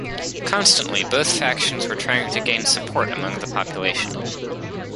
Constantly, both factions were trying to gain support among the population.